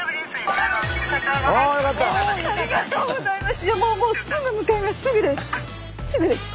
ありがとうございます！